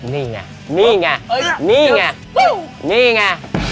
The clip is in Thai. นี่ไงนี่ไงนี่ไงนี่ไง